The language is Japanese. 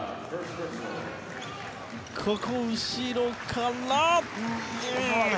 ここ、後ろから。